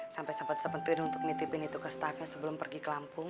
sampai sempet sepenting untuk nitipin itu ke staffnya sebelum pergi ke lampung